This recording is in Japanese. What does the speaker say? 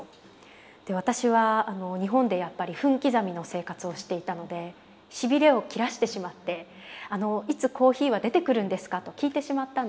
私は日本でやっぱり分刻みの生活をしていたのでしびれを切らしてしまって「あのいつコーヒーは出てくるんですか」と聞いてしまったんですね。